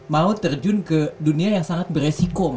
mau terjun ke dunia yang sangat beresiko